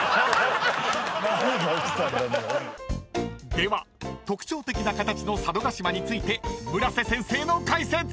［では特徴的な形の佐渡島について村瀬先生の解説！］